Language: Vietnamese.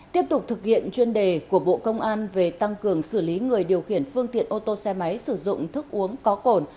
tiếp tục thực hiện chuyên đề của bộ công an về tăng cường xử lý người điều khiển phương tiện ô tô xe máy sử dụng thức uống có cồn